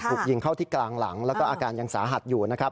ถูกยิงเข้าที่กลางหลังแล้วก็อาการยังสาหัสอยู่นะครับ